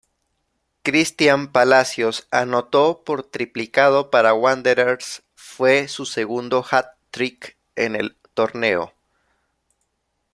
Cristian Palacios anotó por triplicado para Wanderers, fue su segundo hat-trick en el torneo.